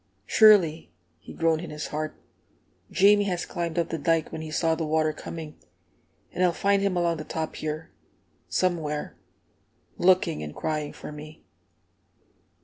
"Surely," he groaned in his heart, "Jamie has climbed up the dike when he saw the water coming, and I'll find him along the top here, somewhere, looking and crying for me!"